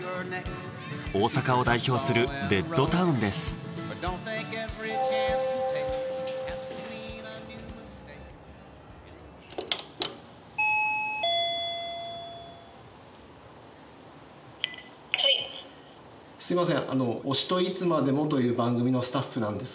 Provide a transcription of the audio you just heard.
大阪を代表するベッドタウンですすいません